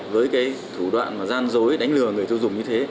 với cái thủ đoạn mà gian dối đánh lừa người tiêu dùng như thế